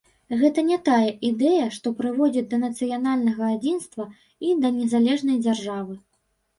Гэта не тая ідэя, што прыводзіць да нацыянальнага адзінства і да незалежнай дзяржавы.